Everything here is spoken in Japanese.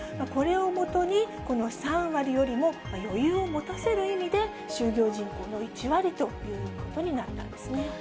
これを基に、この３割よりも余裕を持たせる意味で、就業人口の１割ということになったんですね。